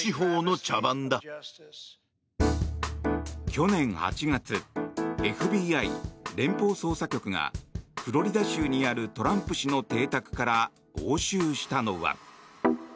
去年８月ＦＢＩ・連邦捜査局がフロリダ州にあるトランプ氏の邸宅から押収したのは。